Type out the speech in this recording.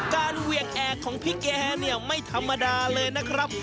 การเวียงแหกของพี่แกไม่ธรรมดาเลยนะครับ